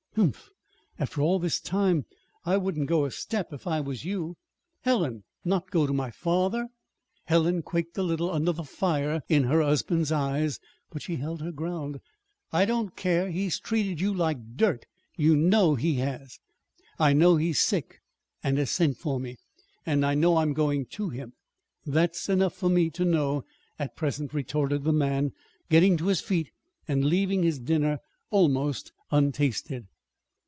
"Humph! After all this time! I wouldn't go a step if I was you." "Helen! Not go to my father?" Helen quaked a little under the fire in her husband's eyes; but she held her ground. "I don't care. He's treated you like dirt. You know he has." "I know he's sick and has sent for me. And I know I'm going to him. That's enough for me to know at present," retorted the man, getting to his feet, and leaving his dinner almost untasted.